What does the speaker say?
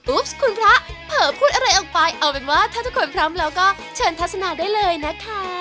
คุณพระเผลอพูดอะไรออกไปเอาเป็นว่าถ้าทุกคนพร้อมแล้วก็เชิญทัศนาได้เลยนะคะ